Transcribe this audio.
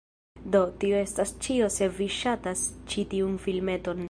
Do, tio estas ĉio se vi ŝatas ĉi tiun filmeton